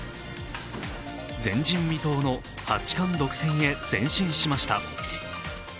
前人未到の八冠独占へ前進しました。